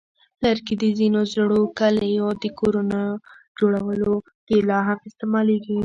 لرګي د ځینو زړو کلیو د کورونو جوړولو کې لا هم استعمالېږي.